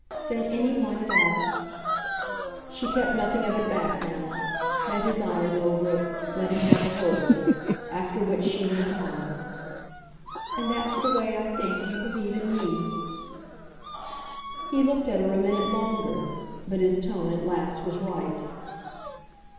"Than any one at all." She kept nothing of it back now, met his eyes over it, let him have the whole of it; after which she went on: "And that's the way, I think, you believe in me." He looked at her a minute longer, but his tone at last was right.